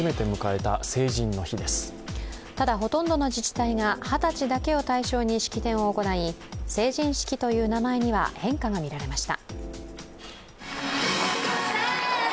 ただ、ほとんどの自治体が二十歳だけを対象に式典を行い成人式という名前には変化が見られました。